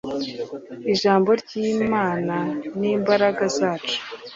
ijambo ry'imana, ni imbaraga zacu